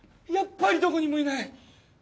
やっぱりどこにもいない。